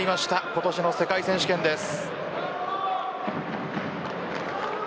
今年の世界選手権です。